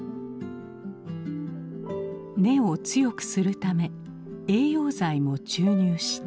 根を強くするため栄養剤も注入した。